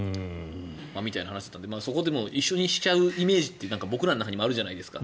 みたいな話をしていたのでそこを一緒にしちゃうイメージって僕らの中にもあるじゃないですか。